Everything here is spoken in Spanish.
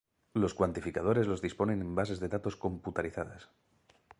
Los "cuantificadores" los disponen en bases de datos computarizadas.